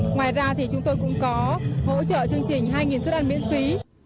ngoài ra thì chúng tôi cũng có hỗ trợ chương trình hai suất ăn miễn phí